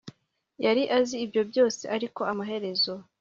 yari azi ibyo byose, ariko amaherezo